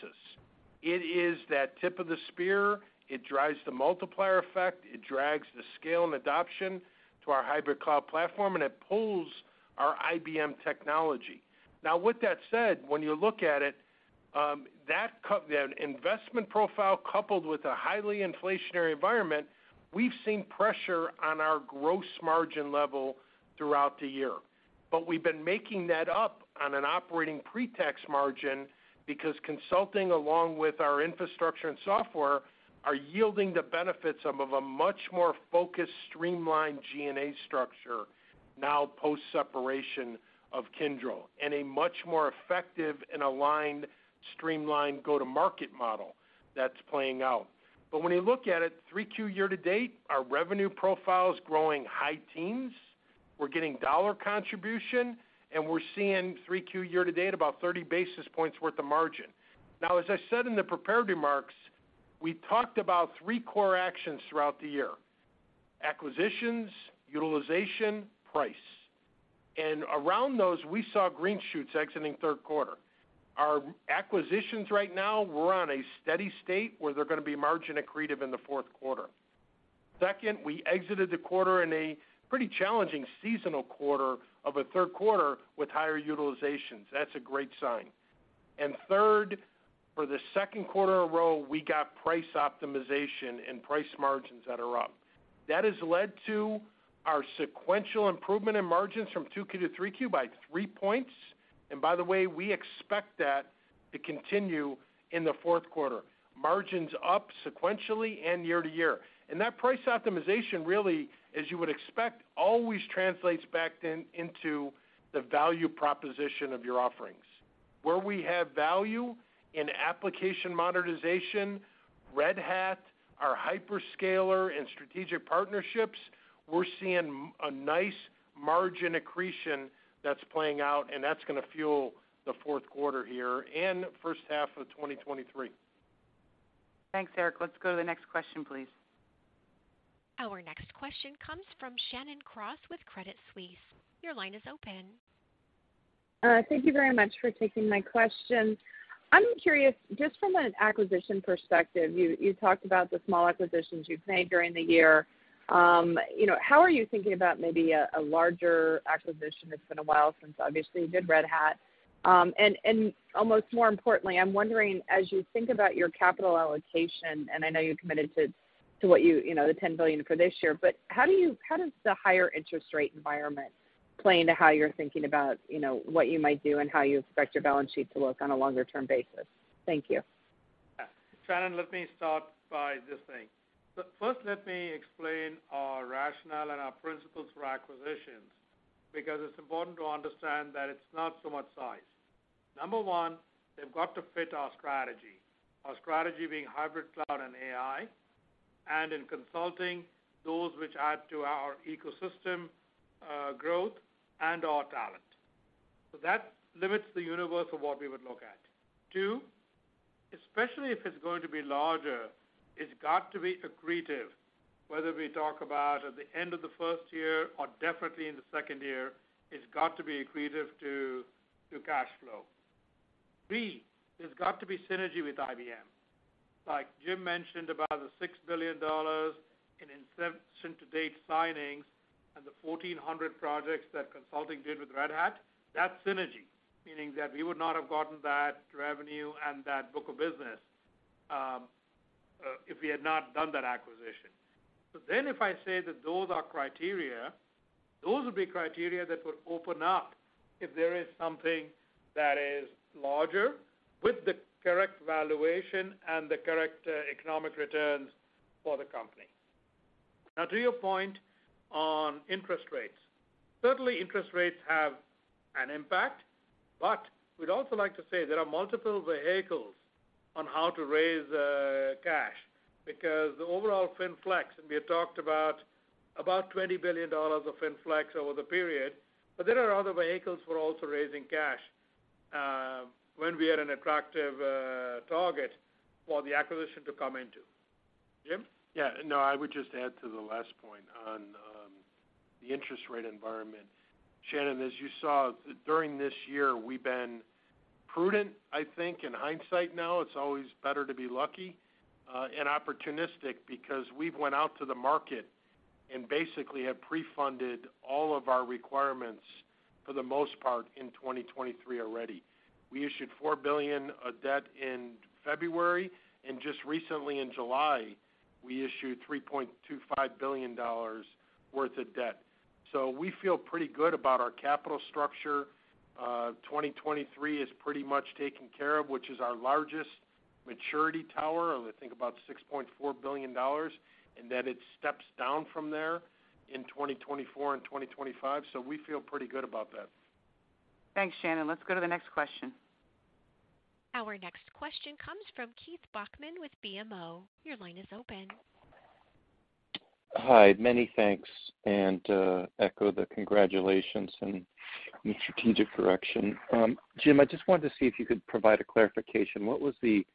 It is that tip of the spear. It drives the multiplier effect. It drives the scale and adoption to our hybrid cloud platform, and it pulls our IBM technology. Now, with that said, when you look at it, that the investment profile coupled with a highly inflationary environment, we've seen pressure on our gross margin level throughout the year. We've been making that up on an operating pre-tax margin because consulting, along with our infrastructure and software, are yielding the benefits of a much more focused, streamlined G&A structure, now post-separation of Kyndryl, and a much more effective and aligned, streamlined go-to-market model that's playing out. When you look at it, 3Q year-to-date, our revenue profile is growing high teens. We're getting dollar contribution, and we're seeing 3Q year-to-date about 30 basis points worth of margin. Now, as I said in the prepared remarks, we talked about three core actions throughout the year, acquisitions, utilization, price. Around those, we saw green shoots exiting third quarter. Our acquisitions right now were on a steady state where they're going to be margin accretive in the fourth quarter. Second, we exited the quarter in a pretty challenging seasonal quarter of a third quarter with higher utilizations. That's a great sign. Third, for the second quarter in a row, we got price optimization and price margins that are up. That has led to our sequential improvement in margins from 2Q to 3Q by 3 points. By the way, we expect that to continue in the fourth quarter. Margins up sequentially and year-to-year. That price optimization really, as you would expect, always translates back then into the value proposition of your offerings. Where we have value in application modernization, Red Hat, our hyperscaler and strategic partnerships, we're seeing a nice margin accretion that's playing out, and that's going to fuel the fourth quarter here and first half of 2023. Thanks, Erik. Let's go to the next question, please. Our next question comes from Shannon Cross with Credit Suisse. Your line is open. Thank you very much for taking my question. I'm curious, just from an acquisition perspective, you talked about the small acquisitions you've made during the year. You know, how are you thinking about maybe a larger acquisition? It's been a while since obviously you did Red Hat. Almost more importantly, I'm wondering, as you think about your capital allocation, and I know you're committed to what you know, the $10 billion for this year, but how does the higher interest rate environment play into how you're thinking about, you know, what you might do and how you expect your balance sheet to look on a longer term basis? Thank you. Yeah. Shannon, let me start by this thing. First let me explain our rationale and our principles for acquisitions, because it's important to understand that it's not so much size. Number one, they've got to fit our strategy, our strategy being hybrid cloud and AI, and in consulting those which add to our ecosystem, growth and our talent. That limits the universe of what we would look at. Two, especially if it's going to be larger, it's got to be accretive, whether we talk about at the end of the first year or definitely in the second year, it's got to be accretive to cash flow. Three, there's got to be synergy with IBM. Like Jim mentioned, about the $6 billion in signings to date and the 1,400 projects that consulting did with Red Hat, that's synergy. Meaning that we would not have gotten that revenue and that book of business, if we had not done that acquisition. If I say that those are criteria, those will be criteria that would open up if there is something that is larger with the correct valuation and the correct economic returns for the company. Now to your point on interest rates. Certainly, interest rates have an impact, but we'd also like to say there are multiple vehicles on how to raise cash because the overall financial flexibility, and we had talked about about $20 billion of financial flexibility over the period, but there are other vehicles for also raising cash when we are an attractive target for the acquisition to come into. Jim? Yeah. No, I would just add to the last point on the interest rate environment. Shannon, as you saw, during this year, we've been prudent, I think, in hindsight now. It's always better to be lucky and opportunistic because we've went out to the market and basically have pre-funded all of our requirements for the most part in 2023 already. We issued $4 billion of debt in February, and just recently in July, we issued $3.25 billion worth of debt. So we feel pretty good about our capital structure. 2023 is pretty much taken care of, which is our largest maturity tower. I think about $6.4 billion, and then it steps down from there in 2024 and 2025. So we feel pretty good about that. Thanks, Shannon. Let's go to the next question. Our next question comes from Keith Bachman with BMO. Your line is open. Hi, many thanks and echo the congratulations and the strategic direction. Jim, I just wanted to see if you could provide a clarification. What was the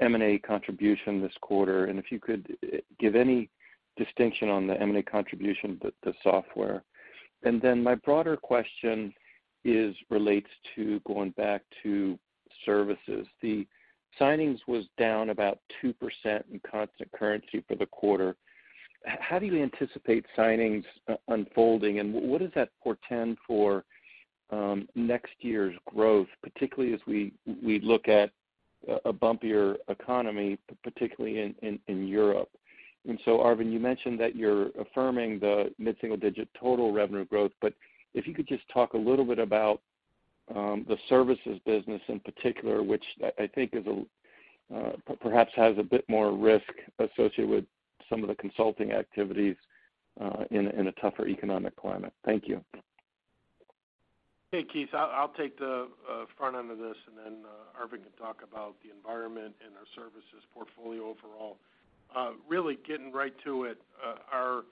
M&A contribution this quarter? If you could give any distinction on the M&A contribution with the software. My broader question relates to going back to services. The signings was down about 2% in constant currency for the quarter. How do you anticipate signings unfolding, and what does that portend for next year's growth, particularly as we look at a bumpier economy, particularly in Europe? Arvind, you mentioned that you're affirming the mid-single-digit total revenue growth, but if you could just talk a little bit about the services business in particular, which I think perhaps has a bit more risk associated with some of the consulting activities in a tougher economic climate. Thank you. Hey, Keith, I'll take the front end of this, and then Arvind can talk about the environment and our services portfolio overall. Really getting right to it, our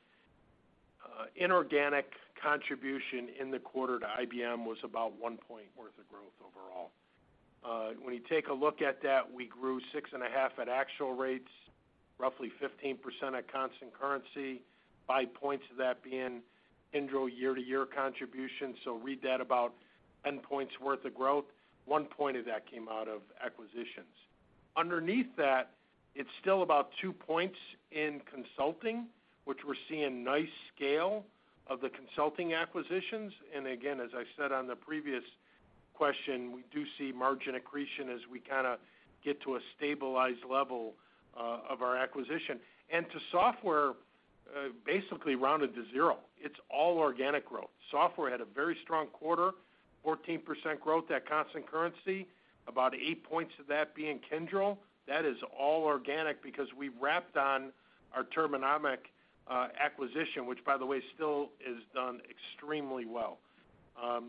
inorganic contribution in the quarter to IBM was about 1 point worth of growth overall. When you take a look at that, we grew 6.5 at actual rates, roughly 15% at constant currency, 5 points of that being Kyndryl year-to-year contribution. Read that about 10 points worth of growth. One point of that came out of acquisitions. Underneath that, it's still about 2 points in consulting, which we're seeing nice scale of the consulting acquisitions. Again, as I said on the previous question, we do see margin accretion as we kind of get to a stabilized level of our acquisition. To software, basically rounded to zero. It's all organic growth. Software had a very strong quarter, 14% growth at constant currency, about 8 points of that being Kyndryl. That is all organic because we wrapped on our Turbonomic acquisition, which, by the way, still is done extremely well. Or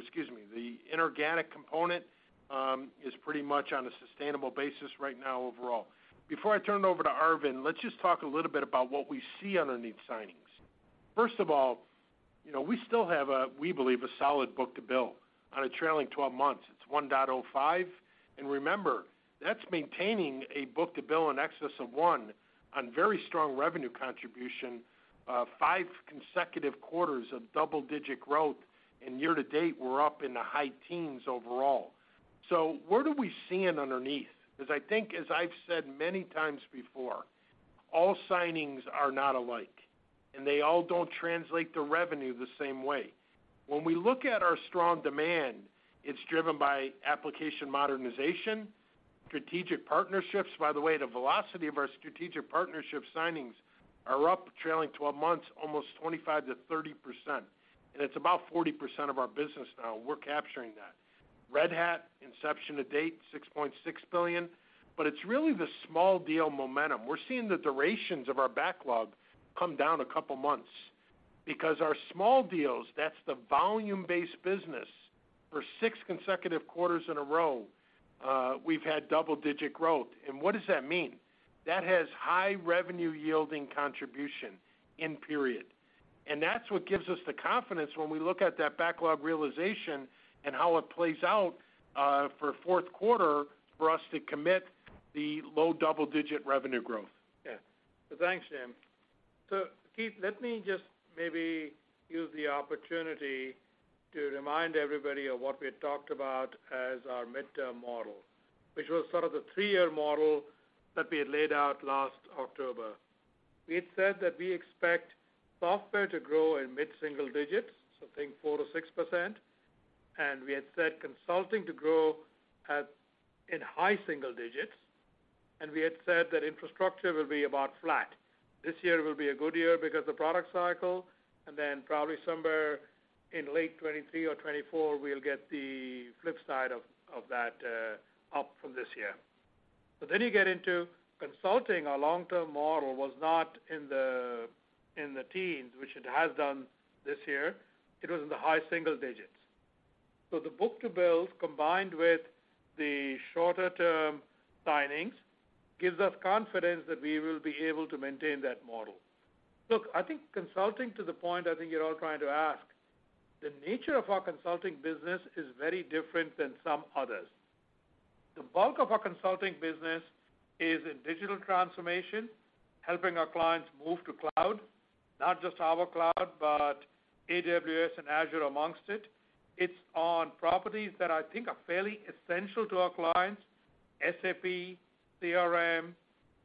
excuse me, the inorganic component is pretty much on a sustainable basis right now overall. Before I turn it over to Arvind, let's just talk a little bit about what we see underneath signings. First of all, you know, we still have, we believe, a solid book-to-bill on a trailing 12 months. It's 1.05. Remember, that's maintaining a book-to-bill in excess of one on very strong revenue contribution, 5 consecutive quarters of double-digit growth, and year-to-date, we're up in the high teens overall. Where do we see it underneath? Because I think, as I've said many times before, all signings are not alike, and they all don't translate to revenue the same way. When we look at our strong demand, it's driven by application modernization, strategic partnerships. By the way, the velocity of our strategic partnership signings are up trailing 12 months, almost 25%-30%. It's about 40% of our business now, we're capturing that. Red Hat, inception to date, $6.6 billion. But it's really the small deal momentum. We're seeing the durations of our backlog come down a couple months because our small deals, that's the volume-based business. For six consecutive quarters in a row, we've had double-digit growth. What does that mean? That has high revenue yielding contribution in period. That's what gives us the confidence when we look at that backlog realization and how it plays out for fourth quarter for us to commit to low double-digit revenue growth. Yeah. Thanks, Jim. Keith, let me just maybe use the opportunity to remind everybody of what we had talked about as our midterm model, which was sort of the three-year model that we had laid out last October. We had said that we expect software to grow in mid-single digits, so I think 4%-6%. We had said consulting to grow at, in high single digits. We had said that infrastructure will be about flat. This year will be a good year because the product cycle, and then probably somewhere in late 2023 or 2024, we'll get the flip side of that, up from this year. Then you get into consulting. Our long-term model was not in the, in the teens, which it has done this year. It was in the high single digits. The book-to-bill, combined with the shorter term signings, gives us confidence that we will be able to maintain that model. Look, I think consulting to the point I think you're all trying to ask, the nature of our consulting business is very different than some others. The bulk of our consulting business is in digital transformation, helping our clients move to cloud, not just our cloud, but AWS and Azure among others. It's on properties that I think are fairly essential to our clients. SAP, CRM,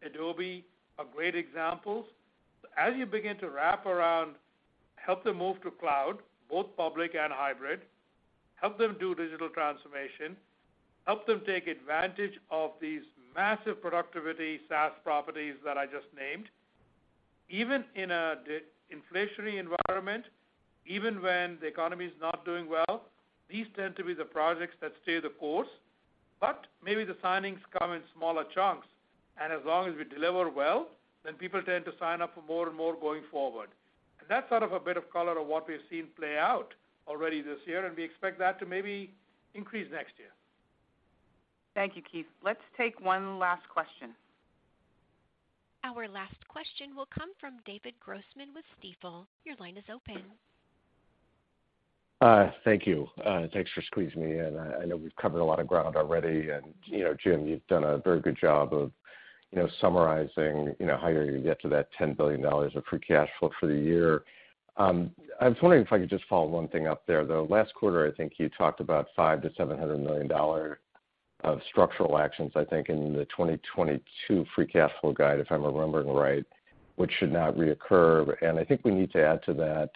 Adobe are great examples. As you begin to wrap around, help them move to cloud, both public and hybrid, help them do digital transformation, help them take advantage of these massive productivity SaaS properties that I just named. Even in the inflationary environment, even when the economy is not doing well, these tend to be the projects that stay the course. Maybe the signings come in smaller chunks, and as long as we deliver well, then people tend to sign up for more and more going forward. That's sort of a bit of color of what we've seen play out already this year, and we expect that to maybe increase next year. Thank you, Keith. Let's take one last question. Our last question will come from David Grossman with Stifel. Your line is open. Thank you. Thanks for squeezing me in. I know we've covered a lot of ground already, and, you know, Jim, you've done a very good job of, you know, summarizing, you know, how you get to that $10 billion of free cash flow for the year. I was wondering if I could just follow one thing up there, though. Last quarter, I think you talked about $500 million-$700 million of structural actions, I think, in the 2022 free cash flow guide, if I'm remembering right, which should not reoccur. I think we need to add to that,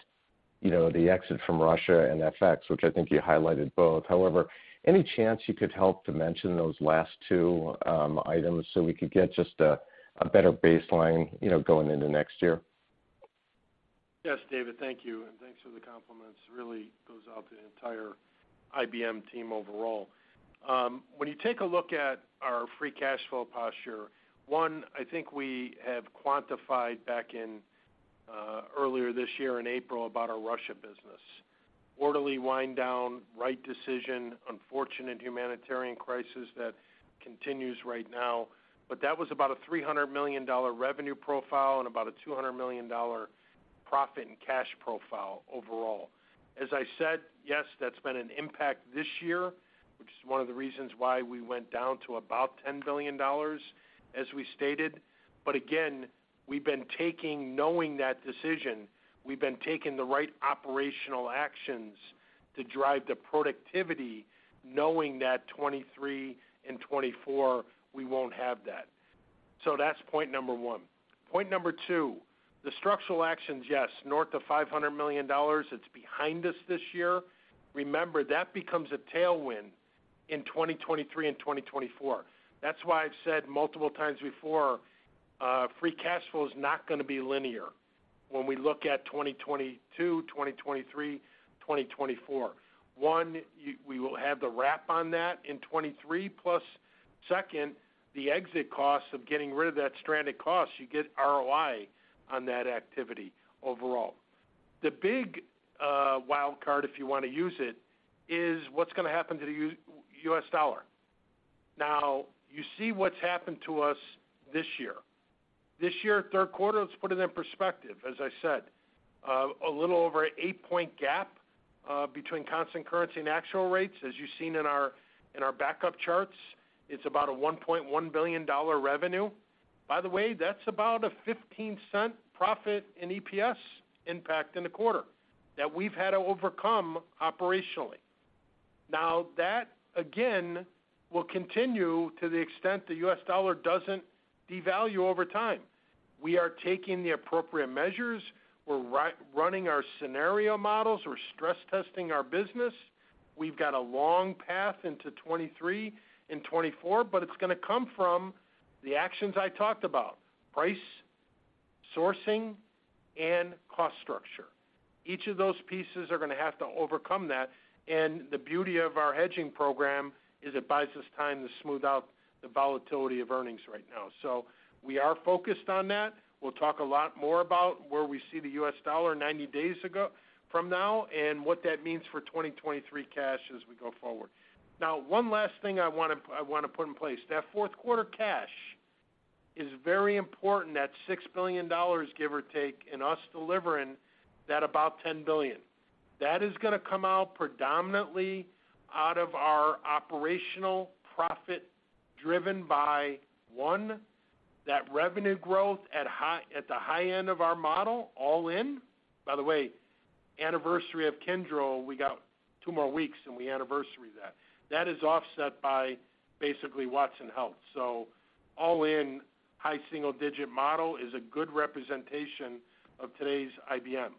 you know, the exit from Russia and FX, which I think you highlighted both. However, any chance you could help to mention those last two items so we could get just a better baseline, you know, going into next year? Yes, David, thank you, and thanks for the compliments. Really goes out to the entire IBM team overall. When you take a look at our free cash flow posture, one, I think we have quantified back in earlier this year in April about our Russia business. Orderly wind down, right decision, unfortunate humanitarian crisis that continues right now. But that was about a $300 million revenue profile and about a $200 million profit and cash profile overall. As I said, yes, that's been an impact this year, which is one of the reasons why we went down to about $10 billion, as we stated. But again, knowing that decision, we've been taking the right operational actions to drive the productivity, knowing that 2023 and 2024, we won't have that. So that's point number one. Point number two, the structural actions, yes, north of $500 million. It's behind us this year. Remember, that becomes a tailwind in 2023 and 2024. That's why I've said multiple times before, free cash flow is not going to be linear when we look at 2022, 2023, 2024. One, we will have the wrap on that in 2023, plus second, the exit costs of getting rid of that stranded cost, you get ROI on that activity overall. The big, wild card, if you want to use it, is what's going to happen to the U.S. dollar. Now, you see what's happened to us this year. This year, third quarter, let's put it in perspective. As I said, a little over an 8-point gap, between constant currency and actual rates. As you've seen in our backup charts, it's about a $1.1 billion revenue. By the way, that's about a $0.15 profit in EPS impact in the quarter that we've had to overcome operationally. Now that, again, will continue to the extent the U.S. dollar doesn't devalue over time. We are taking the appropriate measures. We're running our scenario models. We're stress testing our business. We've got a long path into 2023 and 2024, but it's going to come from the actions I talked about, pricing, sourcing and cost structure. Each of those pieces are going to have to overcome that, and the beauty of our hedging program is it buys us time to smooth out the volatility of earnings right now. We are focused on that. We'll talk a lot more about where we see the U.S. dollar 90 days ago from now and what that means for 2023 cash as we go forward. Now, one last thing I want to put in place. That fourth quarter cash is very important. That $6 billion, give or take, and us delivering that about $10 billion. That is going to come out predominantly out of our operational profit, driven by, one, that revenue growth at the high end of our model all in. By the way, anniversary of Kyndryl, we got two more weeks, and we anniversary that. That is offset by basically Watson Health. So all in high single digit model is a good representation of today's IBM.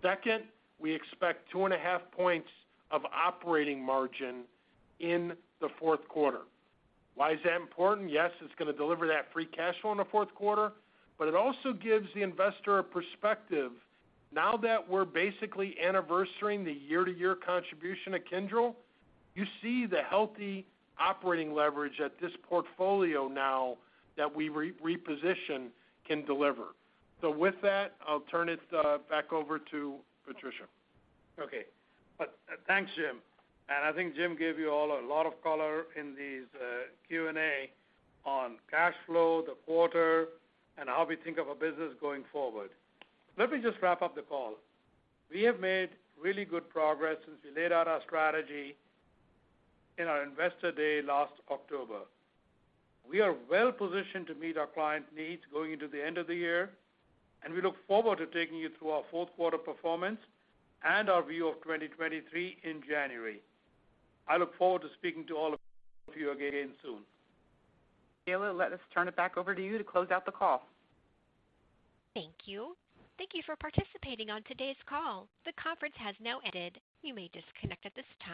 Second, we expect 2.5 points of operating margin in the fourth quarter. Why is that important? Yes, it's going to deliver that free cash flow in the fourth quarter, but it also gives the investor a perspective. Now that we're basically anniversarying the year-to-year contribution of Kyndryl, you see the healthy operating leverage that this portfolio now that we reposition can deliver. With that, I'll turn it back over to Patricia. Okay. Thanks, Jim, and I think Jim gave you all a lot of color in these Q&A on cash flow, the quarter, and how we think of our business going forward. Let me just wrap up the call. We have made really good progress since we laid out our strategy in our Investor Day last October. We are well-positioned to meet our client needs going into the end of the year, and we look forward to taking you through our fourth quarter performance and our view of 2023 in January. I look forward to speaking to all of you again soon. [Kayla] let us turn it back over to you to close out the call. Thank you. Thank you for participating on today's call. The conference has now ended. You may disconnect at this time.